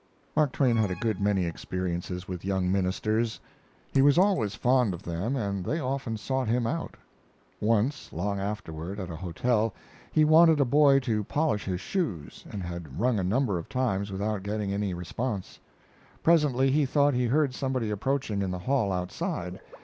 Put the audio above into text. Mark Twain had a good many experiences with young ministers. He was always fond of them, and they often sought him out. Once, long afterward, at a hotel, he wanted a boy to polish his shoes, and had rung a number of times without getting any response. Presently, he thought he heard somebody approaching in the hall outside.